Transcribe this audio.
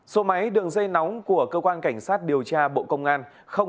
số máy đường dây nóng của cơ quan cảnh sát điều tra bộ công an